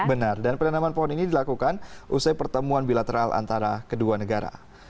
benar dan penanaman pohon ini dilakukan usai pertemuan bilateral antara kedua negara